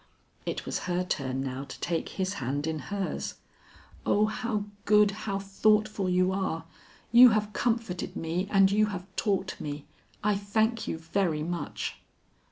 It was her turn now to take his hand in hers. "O how good, how thoughtful you are; you have comforted me and you have taught me. I thank you very much."